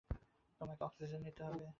তোমাকে অক্সিজেন নিতে হবে।